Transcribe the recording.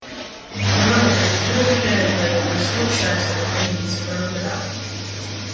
The road is dual carriageway for a short section and meets a roundabout.